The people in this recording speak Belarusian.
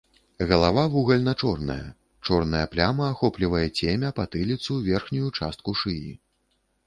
Галава вугальна-чорная, чорная пляма ахоплівае цемя, патыліцу, верхнюю частку шыі.